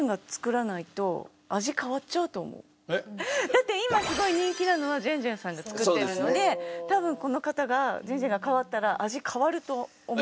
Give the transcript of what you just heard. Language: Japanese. だって今すごい人気なのはジェンジェンさんが作ってるので多分この方がジェンジェンが変わったら味変わると思う。